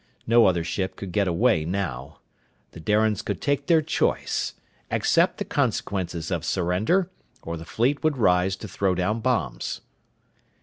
No other ship could get away now! The Darians could take their choice: accept the consequences of surrender, or the fleet would rise to throw down bombs.